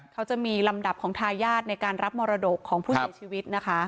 เขาจะมีลำดับของทายาทในการรับมรดกของผู้เสียชีวิตนะคะ